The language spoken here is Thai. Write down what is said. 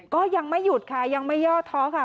ก็ยังไม่หยุดค่ะยังไม่ย่อท้อค่ะ